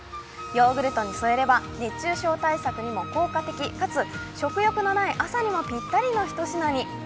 ヨーグルトに添えれば熱中症対策にも効果的かつ、食欲のない朝にもピッタリの一品に。